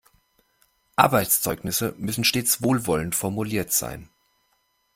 Arbeitszeugnisse müssen stets wohlwollend formuliert sein.